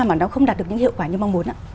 mà nó không đạt được những hiệu quả như mong muốn ạ